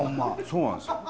そうなんですよ。